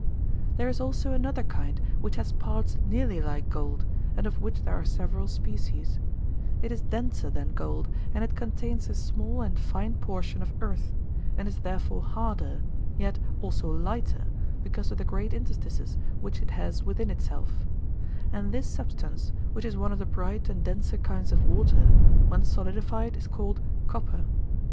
There is also another kind which has parts nearly like gold, and of which there are several species; it is denser than gold, and it contains a small and fine portion of earth, and is therefore harder, yet also lighter because of the great interstices which it has within itself; and this substance, which is one of the bright and denser kinds of water, when solidified is called copper.